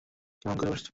কেমন করে বসেছ তুমি।